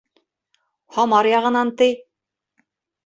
— Һамар яғынан, ти.